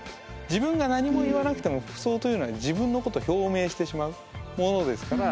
自分が何も言わなくても服装というのは自分のこと表明してしまうものですから。